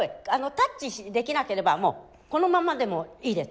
タッチできなければもうこのままでもいいです。